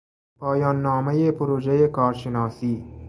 پایاننامهٔ پروژهٔ کارشناسی